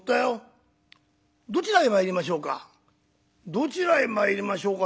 「どちらへ参りましょうか？」。